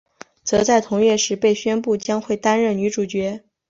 则在同月时被宣布将会担任女主角。